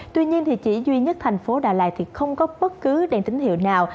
tuy nhiên thì chỉ duy nhất thành phố đà lạt thì không có bất cứ đèn tín hiệu nào